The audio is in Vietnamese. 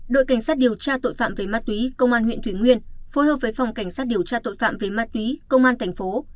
đội cảnh sát điều tra tội phạm về ma túy công an huyện thủy nguyên phối hợp với phòng cảnh sát điều tra tội phạm về ma túy công an thành phố